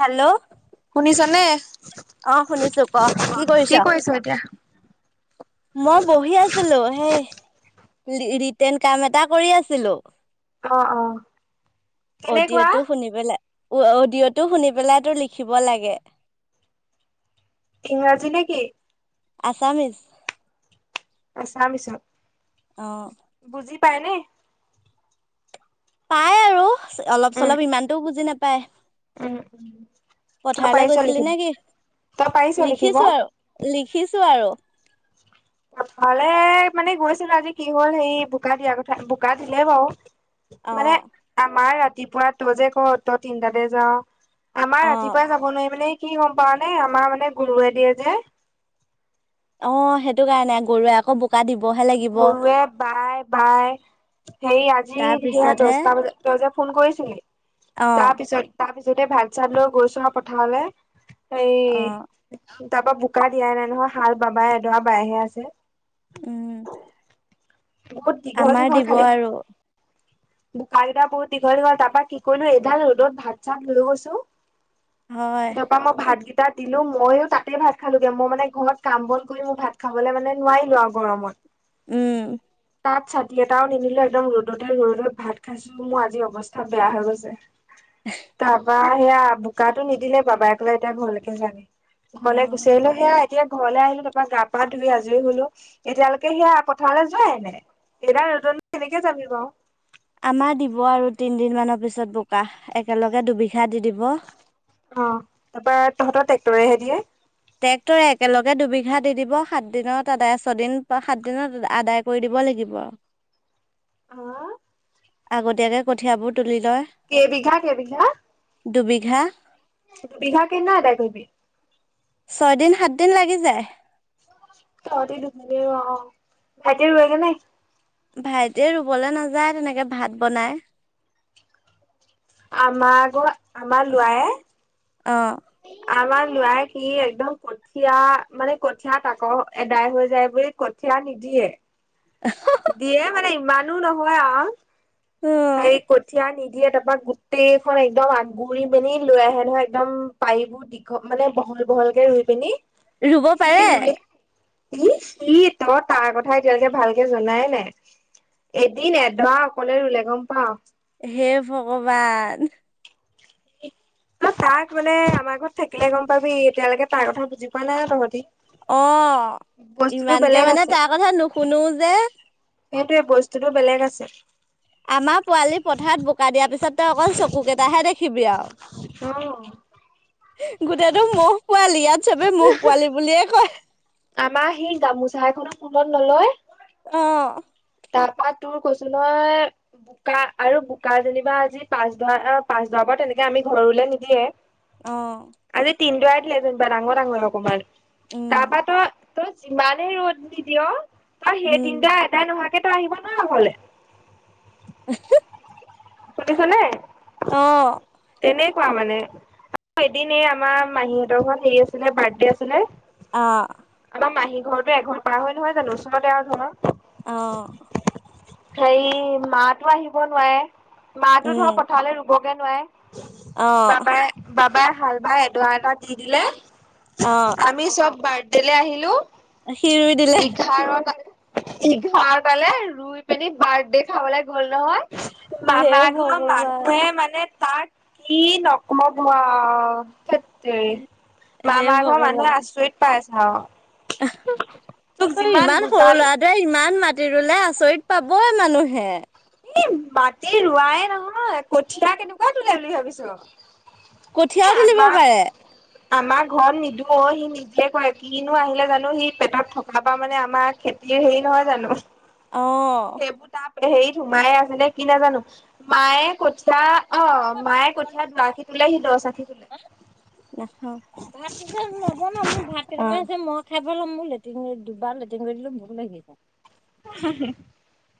Hello শুনিছনে? অ', শুনিছোঁ ক কি কৰিছ? মই বহি আছিলো। সেই ৰিটেণ কাম এটা কৰি আছিলোঁ। অ অ কেনেকুৱা অডিঅ'টো শুনি পেলাই অডিঅ'টো শুনি পেলাই তোৰ লিখিব লাগে। ইংৰাজী নে কি? আছামিছ। আছামিছত? অ',। পাইনে? পাই আৰু অলপ উম চলপ ইমানতটো বুজি নাপায়। উম উম, তই পথাৰলৈ পাৰিছ গৈছিলি লিখিব নেকি? তই পাৰিছ লিখিব? লিখিছো আৰু লিখিছো আৰু। পথাৰলে মানে গৈছিলোঁ, আজি কি হ'ল হেৰি বোকা দিয়া কথা বোকা দিলে বাৰু। অ মানে, আমাৰ ৰাতিপুৱা তই যে কওঁ, তই তিনটাতে যাওঁ। আমাৰ অ ৰাতিপুৱাই যাব নোৱাৰি। মানে কি গম পাৱ নে, আমাৰ মানে গুৰুৱে দিয়ে যে। অ সেইটো কাৰণে গৰুৱে আকৌ বোক গৰুৱে বাই-বাই সেই আজি সেয়া তাৰপিছতহে দছটা বজাত তই যে ফোন কৰিছিলি। অ তাৰ পিছত তাৰপিছতে ভাত চাত লৈ গৈছো হা পথাৰলৈ। এই, অ তাৰ পা বোকা দিয়াই নাই নহয়। হাল বাবা এডৰা বাইহে আছে। উম। বহুত দীঘল আমাৰ দীঘল দিব খালি। আৰু বোকা কেইটা বহুত দীঘল দীঘল। তাৰ পৰা কি কৰিলো এইডাল ৰ'দত ভাত চাত লৈ গৈছো। হয় তাপা মই ভাত তাত দিলোঁ, মইয়ো তাতে ভাত খালোঁগে। মই, মানে, ঘৰত কাম বন কৰি, মোৰ ভাত খাবলৈ, মানে, নোৱাৰিলোঁ, আৰু গৰমত উম। তাত ছাতি এটাও নিনিলোঁ। একদম ৰ'দতে, ৰ'দত ভাত খাইছোঁ। মোৰ আজি অৱস্থা বেয়া হৈ গৈছে। তাৰপা, সেয়া বোকাটো নিদিলে, বাবাইক লৈ এতিয়া ঘৰলৈকে যানে। হ'লে, অ গুচি আহিলোঁ। সেয়া এতিয়া ঘৰলে আহিলোঁ। তাৰপা গা পা ধুই আজৰি হ'লো। এতিয়ালৈকে সেই পথাৰলৈ এনে এইদাল ৰ'দত নো কেনেকে যাবি বাৰ? আমাৰ দিব আৰু তিনদিন মানৰ পিছত, বোকা একেলগে দুবিঘা দি দিব। অ', তাৰপা তহঁতৰ ট্ৰেক্টৰেহে দিয়ে। ট্ৰেক্টৰে একেলগে দুবিঘা দি দিব। সাত দিনত আদায় ছয়দিন সাত দিনত আদায় কৰি দিব। [unintelligible] লাগিব। হা? আগতীয়াকে কঠিয়াবোত কেইবিঘা-কেইবিঘা? দুবিঘা। বিঘা কেনে আদাই কৰিবি? ছয় দিন সাত দিন লাগি যায়। [unintelligible] ভাইটি ৰোৱেগে নাই? ভাইটিয়ে ৰুবলৈ নাযায়, তেনেকে ভাত বনাই। আমাৰ আকৌ, আমাৰ লোৱায়ে অ'। আমাৰ লৰাই কি একদম কঠীয়া মানে কঠিয়া তাকৰ এদাই হৈ যায় বুলি কঠীয়া। কঠিয়া নিদিয়ে। দিয়ে মানে ইমানো নহয় আৰু এই কঠীয়া নি দিয়ে তাৰপা গোটেইখন একদম আগুৰি মেলি লৈ আহে নহয়, একদম পাৰিবোৰ দীঘ মানে ব দীঘলকে ৰুই পিনি ৰুব সি পাৰে। ৰুলে ই, সি, ত‌ই তাৰ কথা এতিয়ালৈকে ভাল জনাই নাই, এদিন এধাৰ অকলে ৰুলে গম পা। হে ভগৱান। ন, তাক মানে আমাৰ ঘৰত থাকিলে গম পাবি এতিয়ালৈকে তাৰ কথা বুজি পোৱা নাই তহঁতি। অ', বস্তুটো ইমানকে বেলেগ মানে আছে তাৰ কথা নুশুনো যে। সেইটোৱে বস্তুটোতো বেলেগ আছে। আমাৰ পোৱালি পথাৰত বোকা দিয়াৰ পিছত তই অকল চকু কেইটাহে দেখিবি আৰু। অ'। গোটেইটো ম'হ পোৱালি ইয়াত চবে ম'হ পোৱালি বুলিয়ে কয়। আমাৰ সি গামোচা এখনো ফুলত নলয়। অ'। তাৰপা তোৰ কৈছোঁ ন বোকা আৰু বোকা যেনিবা আজি পাচ ধৰা পাচ দৰা পৰা তেনেকে আমি ঘৰলৈ নিদিয়ে। অ', আৰে তিনদ [unintelligible] ডাঙৰ ডাঙৰ অকণমান। উম। তই যিমানে ৰ'দ নিদিয়, তই সেই উম, তিনিটা এটাই নহয় সেই তাই আহিব নাই অকলে? [unintelligible] শুনিছনে? অ'। পোৱা মানে এদিন এই আমাৰ মাহীহঁতৰ ঘৰত হেৰি আছিলে বাৰ্থডে আছিলে অ'। আমাৰ মাহী ঘৰতো এঘৰ পাৰ হয় নহয় জানো ওচৰতে আৰু ঘৰ। অ'। হেৰি মা টো আহিব নোৱাৰে, মাটো ধৰ উম, পথাৰলৈ ৰুবগে নোৱাৰে। অ', বাবাই- বাবাই হাল বাই এডৰা এটা দি দিলে অ', আমি চব বাৰ্থডেলে আহিলোঁ সি ৰুই দিলে এঘাৰ তা এঘৰাটালে ৰুই পেলি বাৰ্থডে খাবলৈ গ'ল নহয়। হে মামা কোনো ভগৱান মানুহে মানে তাত কি নকবা আৰু ধেত। তেৰি হে মামাৰ ঘৰ ভগৱান মানুহে আচৰিত পাইছে আও। তোক যিমান ইমান সৰু বুজালো ল'ৰাটোৱে ইমান মা সি ৰুলে আঁচৰিত পাবই মানুহে। এই মাটি ৰোৱাই নহয়, কঠীয়া কেনেকুৱা তোলে বুলি ভাবিছ? কঠিয়াও তুলিব আমাৰ পাৰে। আমাৰ ঘৰত নিদোঁ অ, সি নিজে কৰে কিনো আহিলে জানো সি পেটত থকা পা মানে আমাৰ খেতি এ হেৰি নহয় জানো? অ', সেইবোৰ তাপ হেৰিত সোমায়ে আছে নে কি নাজানো মায়ে কঠিয়া অ', মায়ে কঠিয়া [unintelligible] আখী তোলেহি দহ আখী তোলে। নাখাও, ভাতটো যে নবনাও মোৰ ভাত [unintelligible] [unintelligible]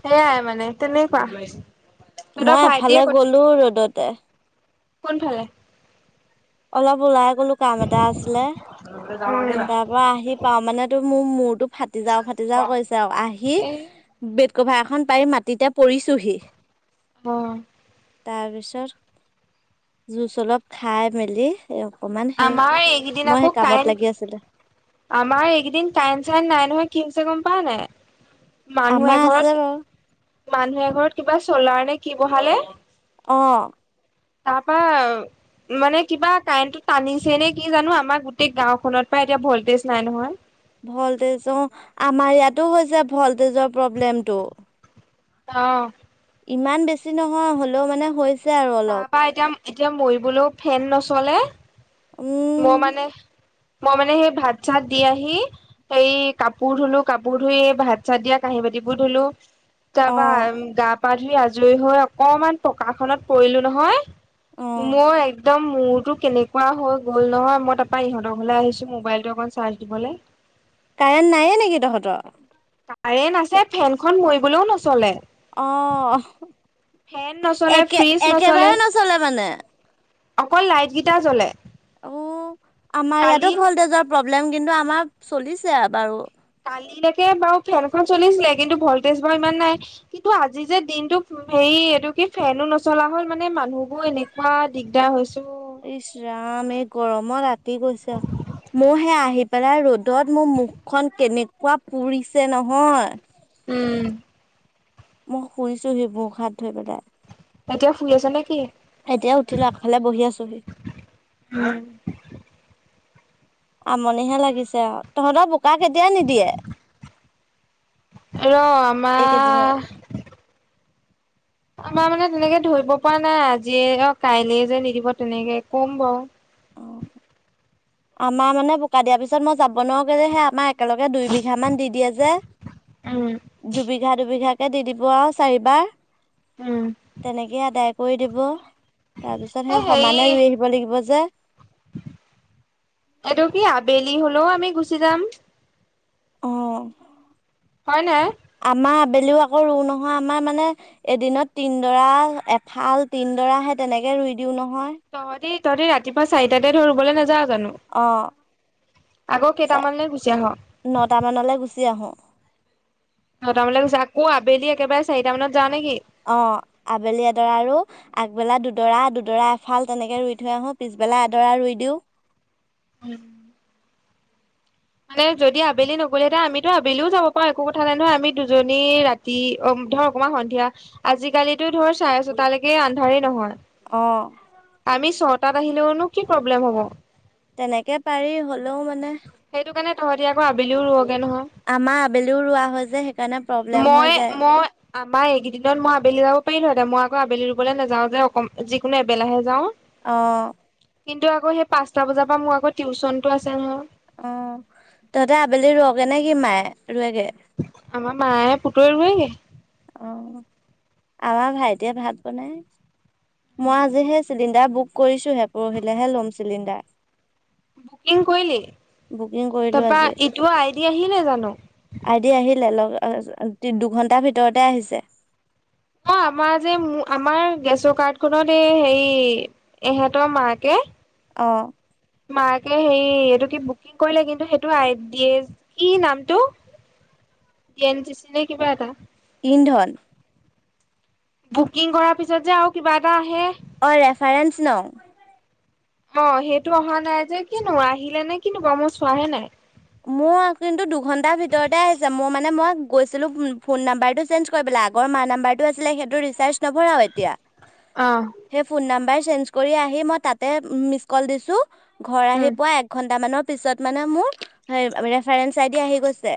সেইয়াই মানে তেনেকুৱা। তহঁতৰ মই ভাইটিয়ে এফালে ক গলোঁ ৰ'দতে। কোনফালে। অলপ ওলাই গ'লো কাম এটা আছিলে। তাৰ পৰা আহি পাওঁ মানে তো মোৰ মূৰটো ফাটি যাওঁ ফাটি যাওঁ কৰিছে আৰু আহি এই বে কভাখন পাৰি মাটিতে পৰিছোহি। অ' তাৰপিছত জুচ অলপ খাই মেলি। অকমান সেই আমাৰ এইকেইদিন মই আকৌ সেই কামত কাৰেন্ট, লাগি আছিলো আমাৰ এইকেইদিন কাৰেন্ট চাইন নাই নহয়। কি হৈছে গ'ম পাওঁ নাই। আমাৰ আছে বাৰু। মানুহে এঘৰত কিবা চলাৰ নে কি বহালে। অ' তাৰপাৰ। মানে কিবা কাৰেণ্টটো টানিছে নে কি জানো আমাৰ গোটেই গাঁওখনত পা এতিয়া ভল্টেজ নাই নহয়। ভল্টেজ অ' আমাৰ ইয়াতো হৈছে ভল্টেজৰ প্ৰব্লেমটো। অ' ইমান বেছি নহয় হ'লেও মানে হৈছে। আৰু তাৰ অলপ পৰা এতিয়া এতিয়া মৰিবলৈও ফেন নচলে। মই উম। মানে মই মানে সেই ভাত চাত দি আহি। এই কাপোৰ ধুলো কাপোৰ ধুই এই ভাত চাত দিয়া কাঁহী বাতিবোৰ ধুলো। তাৰ অ পৰা গা পা ধুই আজৰি হৈ অকমান পকাখননত পৰিলো নহয়। অ মই একদম মোৰতো কেনেকুৱা হ'ল। গ'ল নহয়, মই তাৰপৰা ইহঁতৰ ঘৰলে হ'লে আহিছো মোবাইলটো অকণ চাৰ্জ দিবলৈ। কাৰেণ্ট নায়ে নেকি তহঁতৰ? কাৰেণ্ট আছে ফেনখনন মৰিবলৈও নচলে। অ' ফেন নচলে একে ফ্ৰিজ একেবাৰে নচলে মানে। অকল লাইট কেইটা জ্বলে। অ' আমাৰ কালি ইয়াতো ভল্টেজৰ প্ৰব্লেম কিন্তু আমাৰ চলিছে বাৰু। কালিলৈকে বাৰু ফেনখন চলিছিল। কিন্তু ভল্টেজ ইমান নাই কিন্তু আজি যে দিনটো হেই এইটো কি ফেনো নচলা হ'ল মানে মানুহবোৰ এনেকুৱা দিগদাৰ হৈছে। ইছ ৰাম এই গৰমত ৰাতি গৈছে মোৰ সেই আহি পেলাই ৰ'দ। ৰ'দত মোৰ মুখখন কেনেকুৱা পুৰিছে নহয়। উম। মই শুনিছো সি ভোৰস হাত ধোই পেলাই। এহেতেও খুৰি আছে নেকি? এতিয়া উঠি লয় আগফালে বহি আছোহি। আমনিহে লাগিছে আৰু তহঁতৰ বোকা কেতিয়া নিদিয়ে। ৰ এইকেইদিনত? আমাৰ আমাৰ মানে তেনেকে ধৰিব পৰা নাই, আজিয়ে অ' কাইলে যে নিদিব তেনেকে কম বাৰু। অ' আমাৰ মানে বোকা দিয়াৰ পিছত মই যাব নোৱাৰোঁ সেই আমাৰ। একেলগে দুইবিঘা মান দি দিয়ে যে উম দুবিঘা, দুবিঘা। এনেকে দি দিব আৰু চাৰিবাৰ। উম। তেনেকে আদায় কৰি দিব। তাৰপিছত, এ সেই হেৰি সমানে ৰুই আহিব লাগিব যে। এইটো কি আবেলি হ'লেও আমি গুচি যাম। অহ' হয় নাই। আমাৰ আবেলিও আকৌ নহয়, আমাৰ মানে এদিনত তিনডৰা এফাল তিন। ডৰা তেনেকে ৰুই দিওঁ নহয়। তহঁতেই তহঁতেতি ৰাতিপুৱা চাৰিটাতে ধৰ বলৈ নাযাও জানো অ, আকৌ চ, কেইটামানলৈ গুচি আহ নটা মানলৈ গুচি আহ'? নটামানক আকৌ আবেলি একেবাৰে চাৰিটা মানত যাওঁ নেকি অ, আবেলি এডৰা আৰু একবেলা দুডৰা দুডৰা এফাল তেনেকে ৰুই থৈ আহো পিছবেলা এডৰা ৰুই দিও উম। মানে যদি আবেলি নগলেহেতে আমিতো আবেলিও যাব পাৰো একো কথা নাই নহয় আমি দুজনী ৰাতি ধৰ অকমান সন্ধিয়া আজিকালিিতো ধৰ চাৰে ছটালৈকে আন্ধাৰ নহয়। অ, তাত আহিলেওনো কি প্ৰব্লেম হ'ব? তেনেকে পাৰি হলেও মানে তহতি আক আবেলিও ৰ আমাৰ আবেলিও ৰোৱা হয় যে সেইকাৰণে প্ৰব্লেম হৈ মই যায় মই আমাৰ এইকেইদিনত মই আবেলি যাব পাৰিলো মই আকৌ আবেলি ৰুবলৈ নাযাও যে অক যিকোনো এবেলাহে যাওঁ। আহ, কিন্তু আকৌ সেই পাঁচটা বজাৰ পৰা মোৰ আকৌ টিউচনটো আছে নহয়। অ তহঁতে আবেলি ৰোৱকে নে কি মায়ে ৰোৱেগে? আমাৰ মায়ে পুতুৱে ৰুয়েগে। অ, আমাৰ ভাইটিয়ে ভাত বনাই মই আজি হে চিলিণ্ডাৰ বুক কৰিছোহে পৰহিলেহে ল'ম চিলিণ্ডাৰ। বুকিং কৰিলি? বুকিং কৰিলো তাৰপা আজি ইটো আইডি আহিলে জানো? তি-দুঘণ্টাৰ ভিতৰতে আহিছে। অ, আমাৰ যে, আমাৰ গেছৰ কাৰ্ডখন, এই হেৰি, এহঁতৰ মাকে অ মাকে, সেই হেৰি এইটো বুকিং কৰিলে। কিন্তু সেইটো আই দিয়ে, কি নামটো? জে এন চি চি নে কিবা এটা? ইন্ধন। বুকিং কৰাৰ পিছত, যে, আৰু কিবা এটা আহে। অঁ, ৰেফাৰেন্স নম্বৰ। অ, সেইটো অহা নাই যে। কিনো আহিলে নে কিনো, মোৰ চোৱাহে নাই। মোৰ কিন্তু দুঘণ্টাৰ ভিতৰতে আহিছে। মোৰ, মানে, মই গৈছিলোঁ ফোন নম্বৰটো চেঞ্জ কৰিবলৈ আগ অ, মাৰ নম্বৰটো আছিল। সেইটো ৰিচাৰ্জ নাভৰাওঁ এতিয়া। অ সেই ফোন নম্বৰ চেঞ্জ কৰি আহি, মই তাতে মিছ কল দিছোঁ। ঘৰ উম আহি পোৱাৰ এক ঘণ্টামানৰ পিছত, মানে, মোৰ ৰেফাৰেন্স আইডি আহি গৈছে।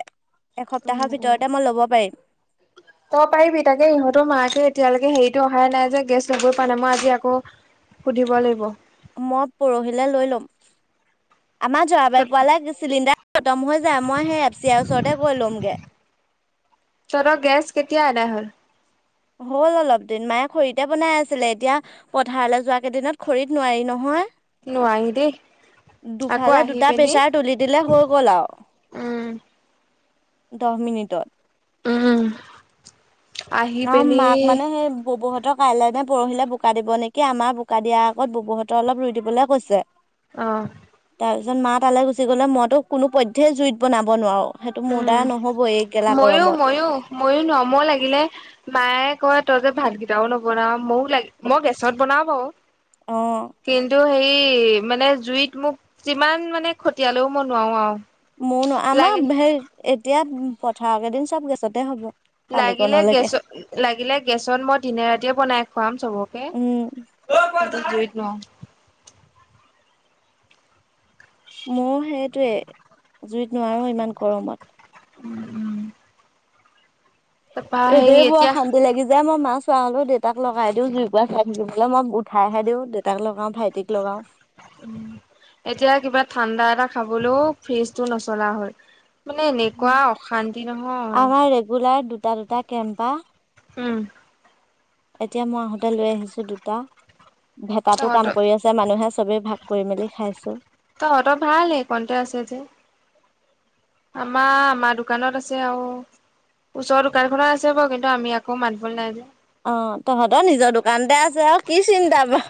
উম এসপ্তাহৰ উম ভিতৰতে মই ল'ব পাৰিম। তই পাৰিবি, তাকে ইহঁতৰ মাকে এতিয়ালৈকেৰিটো অহাই নাই যে গেছ লৈ প নাই মই আজি আকৌ সুধিব লাগিব। মই পৰহিলৈ লৈ ল'ম। আমাৰ জৰাবাইৰ পাল তহঁতৰ চিলিণ্ডাৰ খতম হৈ যায়। মই সেই এফ চি আইৰ ওচৰতে গৈ ল'মগৈ। গেছ কেতিয়া আদায় হ'ল হ'ল, অলপ দিন মায়ে খৰিতে বনাই আছিলে। এতিয়া, পথাৰলৈ যোৱা কেইদিনত খৰিত নোৱাৰি, নহয়। নোৱাৰি দে। দুফালে দুটা প্ৰেছাৰ তুলি দিলে, হৈ গ'ল, উম আৰু। দহ মিনিটত। উম', আহি অ, পিনি মাক, মানে, সেই বৌহঁতক কাইলে নে পৰহিলে বোকা দিব নেকি? আমাৰ বোকা দিয়াৰ আগতে, বৌহঁতৰ অলপ ৰুই দিবলৈ কৈছে। আহ', তাৰপিছত, মা তালৈ গুচি গ'লে, মইতো কোনো প'ধেই জুইত বনাব নোৱাৰোঁ। সেইটো মোৰ উম দ্বাৰা নহ'ব। ময়ো, ময়ো, ময়ো নোৱাৰোঁ, মই লাগিলে মায়ে কয়, তই যে ভাতকেইটাও নবনা। মইও লাগোঁ। মই গেছত বনাওঁ, বাৰু। আহ। হেই, মানে, জুইত মোক যিমানেই খতিয়াল ল'ব লাগে, মই নোৱাৰোঁ আৰু। মোৰনো, আমাৰ লাগিল সেই এতিয়া পথাৰকেইদিন, চব গেছতে হ'ব। লাগিলে, পানীকণলৈকে গেছত। লাগিলে, গেছত মই দিনে-ৰাতিয়ে বনাই খুৱাম, চবকে। উ। য'ত, ন [unintelligible] মোৰ সেইটোৱেই, জুইত নোৱাৰোঁ, ইমান গৰমত। উম, উম। এইদৰে, বৰ এতিয়া অশান্তি লাগি যায়, মাৰ ম চোৱা, হালও দেউতাক লগাই দিওঁ। জুই কৰা চাই থাকিব লাগে। মই উঠাইহে দিওঁ, দেউতাক লগাওঁ, ভাইটিকো লগাওঁ। এতিয়া, কিবা ঠাণ্ডা এটা খাবলৈও ফ্ৰিজটো নচলা হয়। মানে, এনেকুৱা অশান্তি নহয়। আমাৰ ৰেগুলাৰ দুটা, দুটা কেম্পা। উম। এতিয়া, মই আহোঁতে লৈ আহিছোঁ। দুটা ভেটটো কাম তহঁতৰ কৰি আছে, মানুহে। চবেই ভাগ কৰি-মেলি খাইছোঁ। তহঁতৰ ভাল, হঁ? ক'ত আছে যে? আমা, আমাৰ দোকানত আছে, আৰু। ওচৰৰ দোকানখনৰ আছে, বাৰু। কিন্তু আমি আকৌ যাবলৈ নাই যে। অ, তহঁতৰ নিজৰ দোকানতেই আছে, আৰু কি চিন্তা, বাৰু?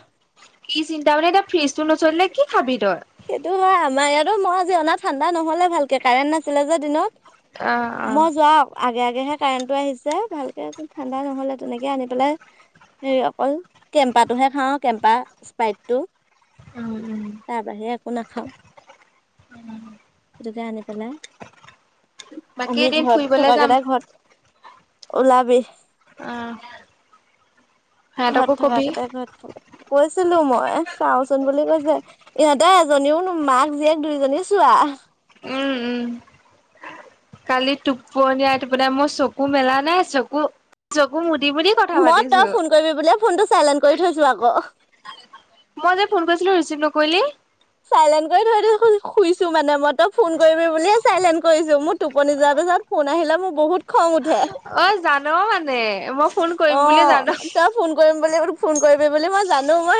চিন্তা এটা, ফ্ৰিজটো নচলিলে, কি? খাবি তই সেইটো হয়, আমাৰ ইয়াতো ম, আজি অনা ঠাণ্ডা নহলে ভালকে কাৰেণ্ট নাছিলে যে দিনত। অ', অ', মই যোৱাও, আগে, আগে। এইহে কাৰেণ্টটো আহিছে ভালকে ঠাণ্ডা নহলে তেনেকে আনি পেলাই। সে অকল কেম্পাটোহে খাওঁ, কেম্পা, স্প্ৰাইটটো। উম, উম। তাৰ বাহিৰে একো নাখাওঁ। সেইটোকে আনি পেলাই বাকী আমি এদিন ঘৰত ফুৰিবলে থকা যাম কেইটাই ঘৰত ওলাবি। আহ। ঘৰত থকা কেইটাই ঘৰত থ, কৈছিলো মই চাওচোন বুলি কৈছিলো। ইহঁতে এজনীও মাক জীয়েক দুইজনী চোৱা। উম উম কালি টোপনীয়া, টোপনাই মই চকু মেলা নাই চকু, চকু। দি বুলি কথা মই তই পাতিছো ফোন কৰিবি বুলিয়ে ফোনটো চাইলেণ্ট কৰি থৈছো আকৌ। মই যে ফোন কৰিছো। ছিলো ৰিছিভ নকৰিলি। চাইলেণ্ট কৰি থয় শুইছো। মানে মই তই ফোন কৰিবি বুলিয়ে চাইলেন্চ কৰিছো, মোৰ টোপনি যোৱাপিছত ফোন আহিলা মোৰ বহুত। খং উঠে অ জান মানে মই ফোন অ, কৰিম বুলি জান তই ফোন কৰিম বুলি ফোন কৰি কৰিবি বুলি মই জানো। মই